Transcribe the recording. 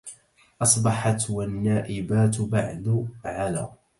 أصبحت والنائبات بعد على